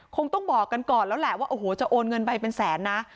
คงต้องบอกกันก่อนแล้วแหละว่าโอ้โหจะโอนเงินไปเป็นแสนนะ